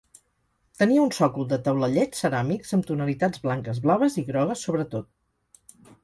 Tenia un sòcol de taulellets ceràmics amb tonalitats blanques, blaves i grogues sobretot.